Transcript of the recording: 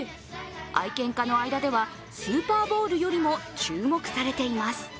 愛犬家の間ではスーパーボウルよりも注目されています。